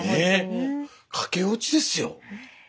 ね駆け落ちですよ。